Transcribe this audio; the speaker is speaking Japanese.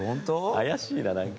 怪しいななんか。